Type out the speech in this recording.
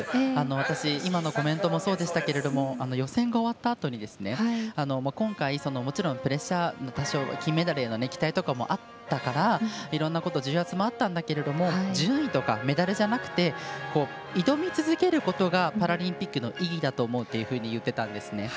私、今のコメントもそうでしたが予選が終わったあとに今回、もちろんプレッシャー多少は金メダルへの期待もあったからいろんなこと重圧もあったんだけれども順位とかメダルじゃなくて挑み続けることがパラリンピックの意義だと思うというふうに言っていたんですね。